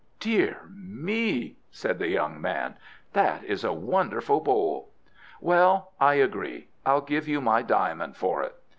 "Dear me!" said the young man, "that is a wonderful bowl. Well, I agree; I'll give you my diamond for it."